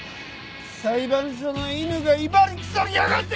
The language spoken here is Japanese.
裁判所の犬が威張り腐りやがって！